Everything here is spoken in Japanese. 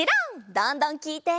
どんどんきいて！